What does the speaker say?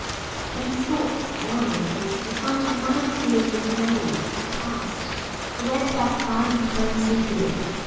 But his thoughts wandered and he found his mind filled with memories of the past. He went back five and twenty years.